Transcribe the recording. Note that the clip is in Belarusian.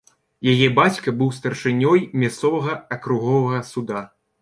Яе бацька быў старшынёй мясцовага акруговага суда.